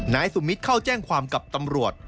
นายสุมิตรเข้าแจ้งความกับตำรวจ